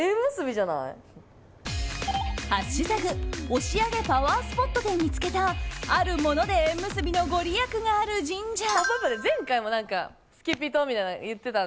「＃押上パワースポット」で見つけたあるもので縁結びのご利益がある神社。